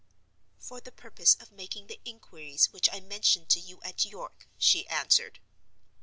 "For the purpose of making the inquiries which I mentioned to you at York," she answered.